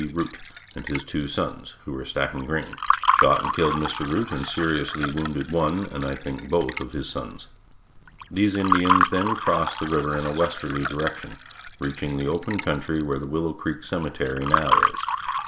Root and his two sons, who were stacking grain, shot and killed Mr. Root and seriously wounded one, and I think, both of his sons. These Indians then crossed the river in a westerly direction, reaching the open country where the Willow Creek cemetery now is.